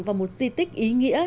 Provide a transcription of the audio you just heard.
vào một di tích ý nghĩa